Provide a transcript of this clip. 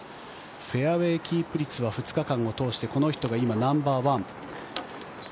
フェアウェーキープ率は２日間を通してこの人が今ナンバーワン。